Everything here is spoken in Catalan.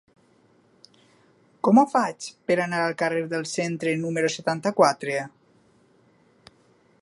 Com ho faig per anar al carrer del Centre número setanta-quatre?